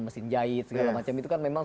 mesin jahit segala macam itu kan memang